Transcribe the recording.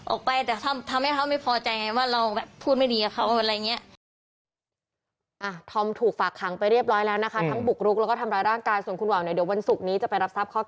ออกไปแต่ทำให้เขาไม่พอใจไงว่าเราพูดไม่ดีกับเขาอะไรอย่างนี้